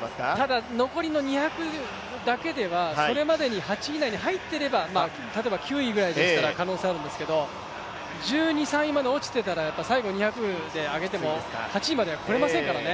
ただ、残りの２００だけでは、それまでに８位以内に入っていれば、例えば９位ぐらいでしたら可能性ありますけど１２、１３位まで落ちてたらやっぱり最後２００で上げても８位までに来られませんからね。